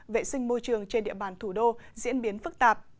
vệ sinh môi trường trên địa bàn thủ đô diễn biến phức tạp